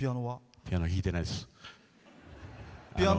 ピアノ、弾いてないです。